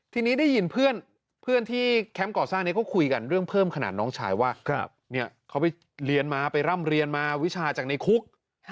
ทีนี้ได้ยินเพื่อนที่แคมป์ก่อสร้างนี้เขาคุยกันเรื่องเพิ่มขนาดน้องชายว่าเขาไปเรียนมาไปร่ำเรียนมาวิชาจากในคุก